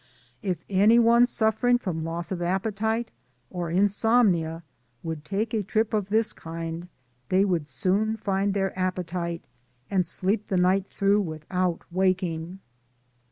If any one suf fering from loss of appetite, or insomnia, would take a trip of this kind, they would soon find their appetite, and sleep the night through without waking.